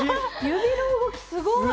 指の動きすごい。